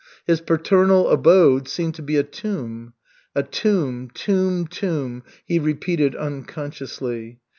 His paternal abode seemed to be a tomb. "A tomb, tomb, tomb," he repeated unconsciously.